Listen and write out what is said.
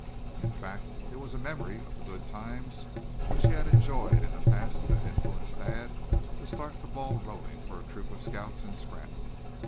In fact, it was a memory of the good times which he had enjoyed in the past that influenced Thad to start the ball rolling for a troop of scouts in Scranton.